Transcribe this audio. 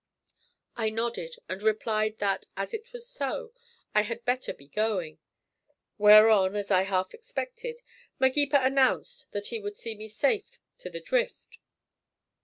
I nodded and replied that, as it was so, I had better be going; whereon, as I half expected, Magepa announced that he would see me safe to the drift.